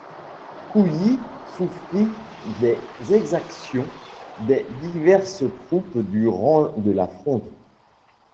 Couilly souffrit des exactions des diverses troupes durant de la Fronde.